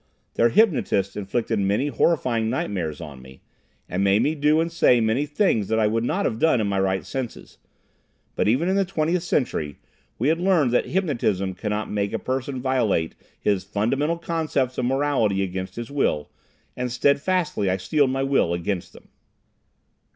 Their hypnotists inflicted many horrifying nightmares on me, and made me do and say many things that I would not have done in my right senses. But even in the Twentieth Century we had learned that hypnotism cannot make a person violate his fundamental concepts of morality against his will, and steadfastly I steeled my will against them.